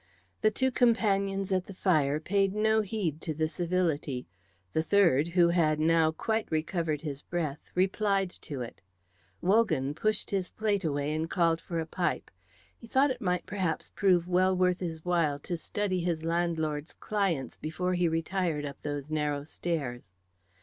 The two companions at the fire paid no heed to the civility; the third, who had now quite recovered his breath, replied to it. Wogan pushed his plate away and called for a pipe. He thought it might perhaps prove well worth his while to study his landlord's clients before he retired up those narrow stairs.